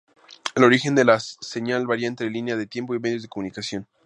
El origen de la señal varía entre línea de tiempo y medios de comunicación.